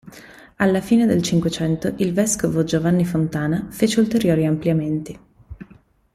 Alla fine del Cinquecento il vescovo Giovanni Fontana fece ulteriori ampliamenti.